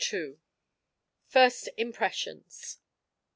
FIRST IMPRESSIONS.